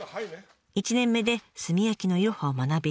１年目で炭焼きのいろはを学び